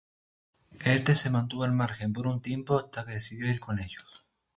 Este se mantuvo al margen por un tiempo hasta que decidió ir con ellos.